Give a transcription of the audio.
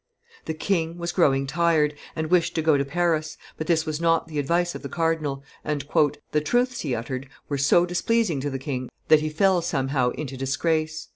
The king was growing tired, and wished to go to Paris; but this was not the advice of the cardinal, and "the truths he uttered were so displeasing to the king that he fell somehow into disgrace.